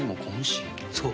そう。